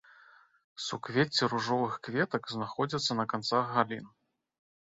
Суквецці ружовых кветак знаходзяцца на канцах галін.